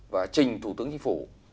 và trình thủ tướng chính phủ